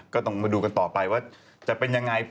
ก็ต้องมาดูต่อไปว่าจะเป็นอย่างไร